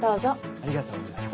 ありがとうございます。